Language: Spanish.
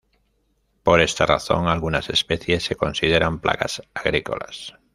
Por esta razón, algunas especies se consideran plagas agrícolas.